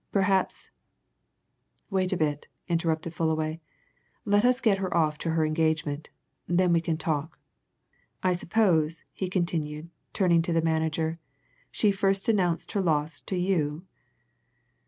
Perhaps " "Wait a bit," interrupted Fullaway. "Let us get her off to her engagement. Then we can talk. I suppose," he continued, turning to the manager, "she first announced her loss to you?"